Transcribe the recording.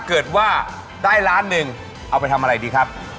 เอาไปทำอะไรดีครับ